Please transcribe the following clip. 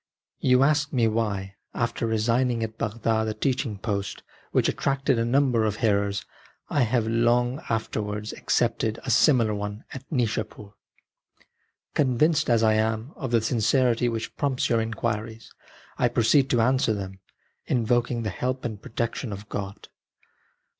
You ask me why, after resigning at Bagdad a teaching post which attracted a number of hearers, I have, long afterwards, accepted a similar one at Nishapur. Convinced as I am of the sincerity which prompts your inquiries, I proceed to answer them, invoking the help and protection of God.